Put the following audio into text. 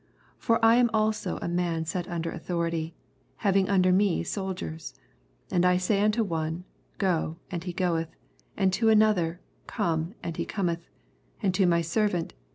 8 For I also am a man set under authority, having under me soldiers, and 1 say unto one, Go, and he goeth ; and to another, Come, and he oometh ; and to my servant.